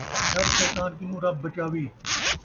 شر شِطان کنوں رب بچاوی